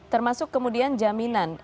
termasuk kemudian jaminan